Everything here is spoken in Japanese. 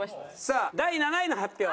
さあ第７位の発表。